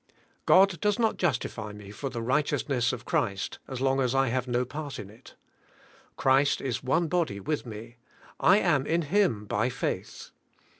God does not justify me for the righteousness of Christ as long as I have no part in it. Christ is one body with me; I am in Him by faith.